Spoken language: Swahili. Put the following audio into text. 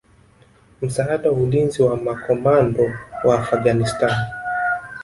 msaada wa ulinzi wa makomando wa Afghanistan